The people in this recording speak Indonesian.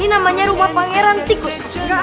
ini rumah pangeran tikus